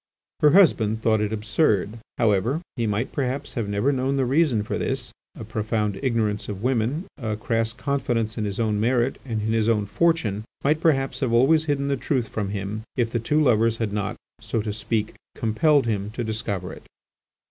Her husband thought it absurd; however, he might perhaps have never known the reason for this; a profound ignorance of women, a crass confidence in his own merit, and in his own fortune, might perhaps have always hidden the truth from him, if the two lovers had not, so to speak, compelled him to discover it.